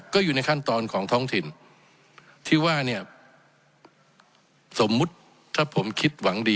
ก็อยู่ในขั้นตอนของท้องถิ่นที่ว่าเนี่ยสมมุติถ้าผมคิดหวังดี